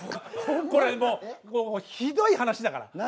これもうひどい話だから。